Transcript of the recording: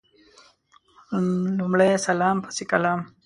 لمړی سلام پسي کلام